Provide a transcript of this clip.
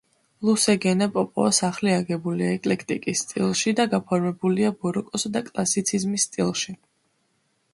ლუსეგენა პოპოვას სახლი აგებულია ეკლექტიკის სტილში და გაფორმებულია ბაროკოსა და კლასიციზმის სტილში.